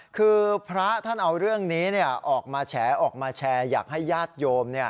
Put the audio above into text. คือพระท่านเอาเรื่องนี้ออกมาแฉออกมาแชร์อยากให้ญาติโยม